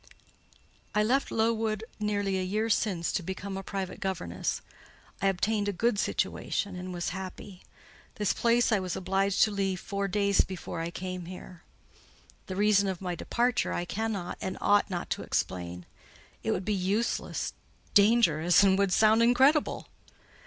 "I left Lowood nearly a year since to become a private governess. I obtained a good situation, and was happy. This place I was obliged to leave four days before I came here. The reason of my departure I cannot and ought not to explain: it would be useless, dangerous, and would sound incredible.